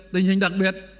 tình hình đặc biệt